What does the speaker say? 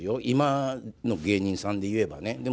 今の芸人さんで言えばね。